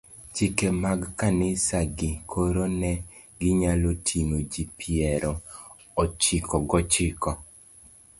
chike mag kanisagi, koro ne ginyalo ting'o ji piero ochiko gochiko